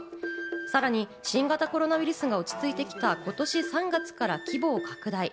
さらに新型コロナウイルスが落ち着いてきた今年３月から規模を拡大。